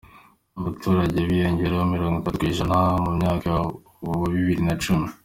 Abaturage biyongereyeho mirongo itatu kwijana mu myaka wa bibiri na cumi